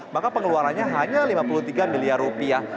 maka pengeluarannya hanya lima puluh tiga miliar rupiah